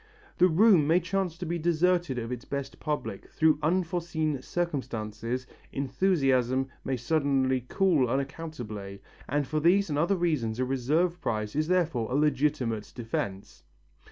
The room may chance to be deserted of its best public through unforeseen circumstances, enthusiasm may suddenly cool unaccountably, and for these and other reasons a reserve price is therefore a legitimate defence.